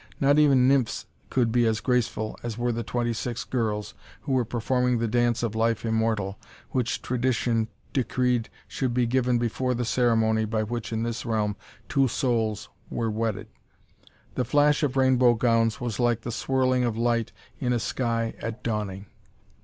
Not even nymphs could be as graceful as were the twenty six girls who were performing the dance of Life Immortal, which tradition decreed should be given before the ceremony by which, in this realm, two souls were wedded. The flash of rainbow gowns was like the swirling of light in a sky at dawning.